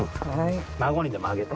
孫にでもあげて。